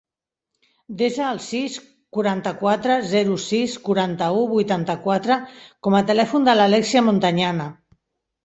Desa el sis, quaranta-quatre, zero, sis, quaranta-u, vuitanta-quatre com a telèfon de l'Alèxia Montañana.